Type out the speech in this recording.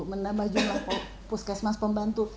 menambah jumlah puskesmas pembantu